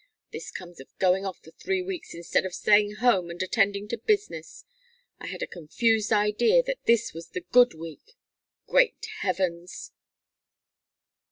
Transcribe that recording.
This comes of going off for three weeks instead of staying at home and attending to business. I had a confused idea that this was the 'good week.' Great heavens!"